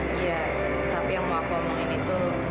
iya tapi yang mau aku ngomongin itu